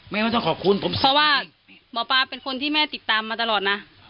เพราะว่าหมอปลาเป็นคนที่แม่ติดตามมาตลอดนะ